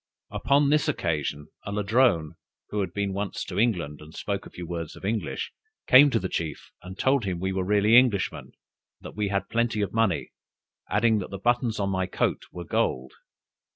Upon this occasion, a Ladrone, who had been once to England and spoke a few words of English, came to the chief, and told him we were really Englishmen, and that we had plenty of money, adding that the buttons on my coat were gold.